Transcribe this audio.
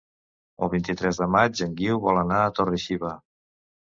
El vint-i-tres de maig en Guiu vol anar a Torre-xiva.